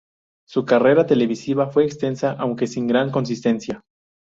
Su carrera televisiva fue extensa, aunque sin gran consistencia.